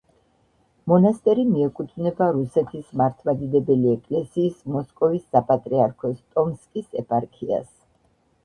მონასტერი მიეკუთვნება რუსეთის მართლმადიდებელი ეკლესიის მოსკოვის საპატრიარქოს ტომსკის ეპარქიას.